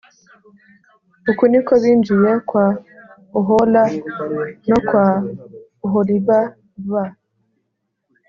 uko ni ko binjiye kwa Ohola no kwa Oholiba ba